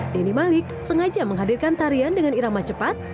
denny malik sengaja menghadirkan tarian dengan irama cepat